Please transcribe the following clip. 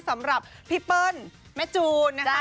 สำหรับพี่เปิ้ลแม่จูนนะคะ